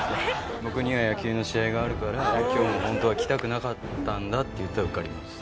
僕には野球の試合があるから今日もホントは来たくなかったんだって言ったら受かりました。